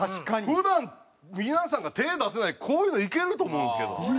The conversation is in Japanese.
普段皆さんが手出せないこういうのいけると思うんですけど。